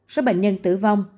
số bệnh nhân tử vong